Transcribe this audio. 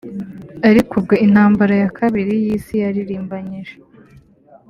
Ariko ubwo intambara ya kabiri y’isi yaririmbanyije